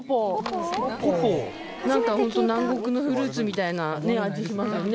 ホント南国のフルーツみたいなね味しますよね。